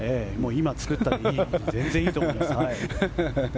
今、作ったので全然いいと思います。